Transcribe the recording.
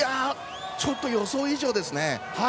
ちょっと予想以上ですね。